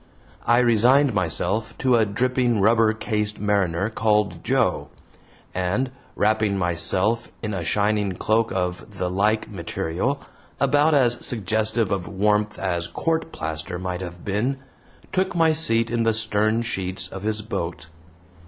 I resigned myself to a dripping rubber cased mariner called "Joe," and, wrapping myself in a shining cloak of the like material, about as suggestive of warmth as court plaster might have been, took my seat in the stern sheets of his boat.